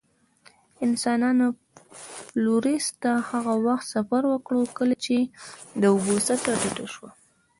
انسانانو فلورس ته هغه وخت سفر وکړ، کله چې د اوبو سطحه ټیټه شوه.